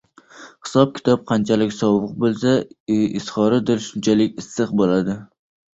— Hisob-kitob qanchalik sovuq bo‘lsa, izhori dil shunchalik issiq bo‘ladi.